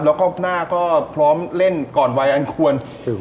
แล้วก็หน้าก็พร้อมเล่นก่อนวัยอันควร